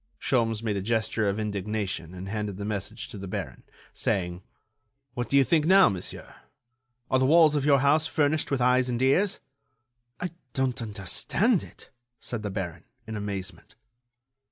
Sholmes made a gesture of indignation and handed the message to the baron, saying: "What do you think now, monsieur? Are the walls of your house furnished with eyes and ears?" "I don't understand it," said the baron, in amazement.